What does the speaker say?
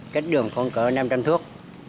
cách đường khoảng năm trăm linh thuốc